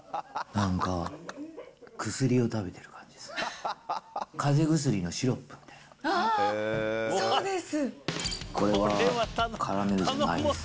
なんか、薬を食べてる感じです。